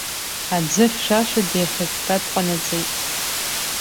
Аӡы хьшәашәа деихыкка дҟанаҵеит.